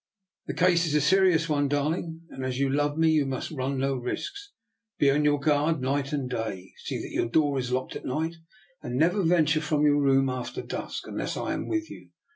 The case is a serious one, darling, and as you love me you must run no risks. Be on your guard night and day. See that your door is locked at night, and never venture from your room after dusk, unless I am with you.